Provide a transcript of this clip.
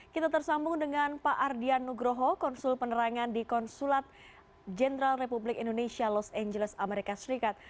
kita tersambung dengan pak ardian nugroho konsul penerangan di konsulat jenderal republik indonesia los angeles amerika serikat